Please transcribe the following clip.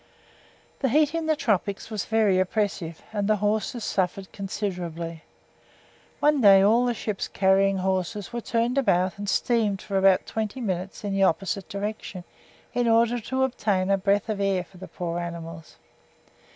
The heat in the tropics was very oppressive, and the horses suffered considerably. One day all the ships carrying horses were turned about and steamed for twenty minutes in the opposite direction in order to obtain a breath of air for the poor animals.